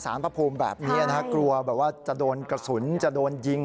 สารพระภูมิแบบนี้กลัวว่าจะโดนกระสุนจะโดนยิง